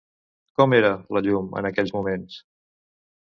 Com era, la llum, en aquells moments?